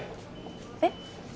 えっ！？